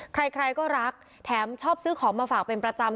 ใครก็รักแถมชอบซื้อของมาฝากเป็นประจำ